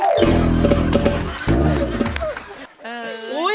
นี่ลูก